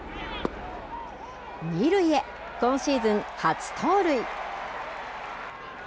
二塁へ今シーズン初盗塁。